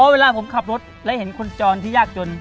เวลาผมขับรถและเห็นคนจรที่ยากจน